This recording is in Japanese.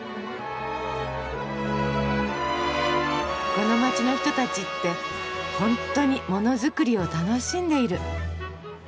この街の人たちって本当にモノづくりを楽しんでいる。